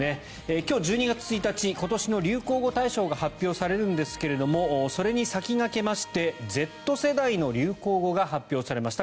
今日１２月１日今年の流行語大賞が発表されるんですけれどもそれに先駆けましてＺ世代の流行語が発表されました